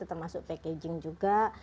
termasuk packaging juga